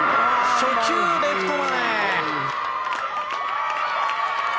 初球レフト前。